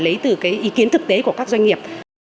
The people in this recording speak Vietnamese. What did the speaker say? lấy từ cái ý kiến thực tế của các doanh nghiệp